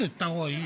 いい！